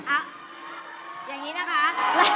อ่ะอย่างนี้นะคะ